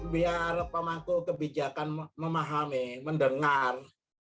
biar pemangku kebijakan memahami mendengar